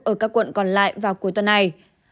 ở các quận còn lại vào cuối tuần này